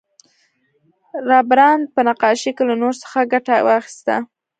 رامبراند په نقاشۍ کې له نور څخه ګټه واخیسته.